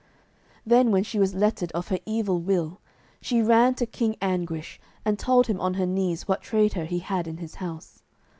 Then when she was letted of her evil will, she ran to King Anguish and told him on her knees what traitor he had in his house.